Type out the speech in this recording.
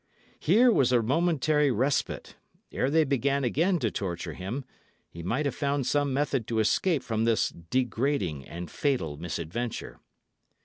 Here was a momentary respite; ere they began again to torture him, he might have found some method to escape from this degrading and fatal misadventure.